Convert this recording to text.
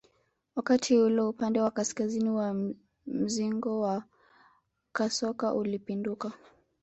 Wakati ule upande wa kaskazini wa mzingo wa kasoko ulipinduka